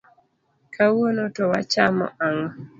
Kawuono to wachamo ng'o.